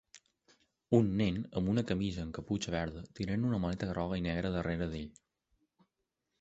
Un nen en una camisa amb caputxa verda tirant una maleta groga i negra darrere d'ell.